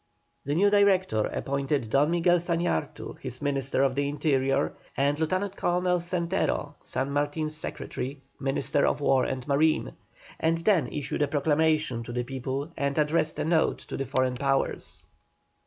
The new Director appointed Don Miguel Zañartu his Minister of the Interior, and Lieutenant Colonel Zenteno, San Martin's secretary, Minister of War and Marine; and then issued a proclamation to the people and addressed a note to the foreign Powers.